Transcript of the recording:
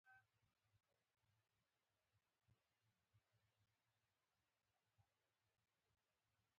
زما زوی په کرېسمس کې له خیره راځي.